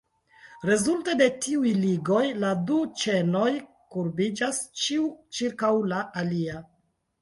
Rezulte de tiuj ligoj, la du ĉenoj kurbiĝas, ĉiu ĉirkaŭ la alia.